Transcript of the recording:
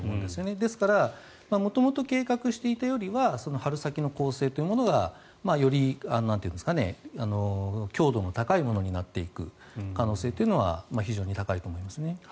ですから元々計画していたよりは春先の攻勢というものがより強度の高いものになっていく可能性というのは非常に高いと思いますね。